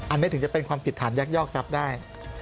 อันนี้ถึงจะเป็นความผิดฐานยักยอกทรัพย์ได้